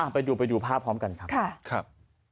ไปดูภาพพร้อมกันครับ